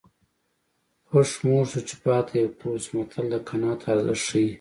پښ موړ شو چې پاته یې کور شو متل د قناعت ارزښت ښيي